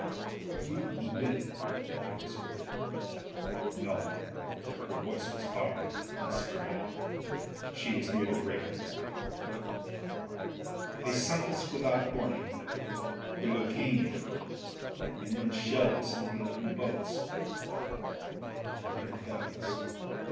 'Are you wounded ?" he whispered. ^No." Her voice was hard and strained ; she was near the breaking point. "They sunk us without warn ing — ^the Lucania — ^and then shelled us in the open boats." "Dear heavens